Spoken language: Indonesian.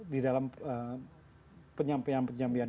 di dalam penyampaian penyampaian